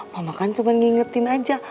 mama kan cuma ngingetin aja